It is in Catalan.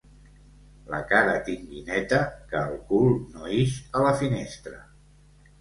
La cara tingui neta, que el cul no ix a la finestra.